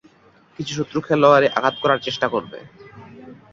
কিছু শত্রু খেলোয়াড়ে আঘাত করার চেষ্টা করবে।